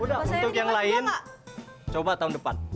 udah untuk yang lain coba tahun depan